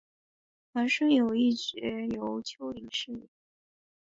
王顺友一角由邱林饰演。